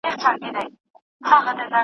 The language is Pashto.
سرتېرو ته يې د ولس خدمت ورزده کاوه.